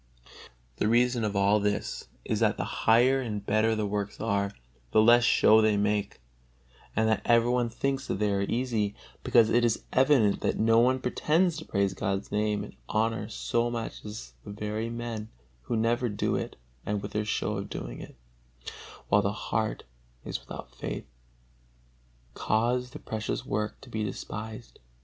The reason of all this is that the higher and better the works are, the less show they make; and that every one thinks they are easy, because it is evident that no one pretends to praise God's Name and honor so much as the very men who never do it and with their show of doing it, while the heart is without faith, cause the precious work to be despised.